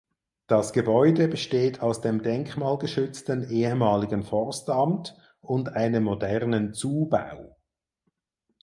Das Gebäude besteht aus dem denkmalgeschützten ehemaligen Forstamt und einem modernen Zubau.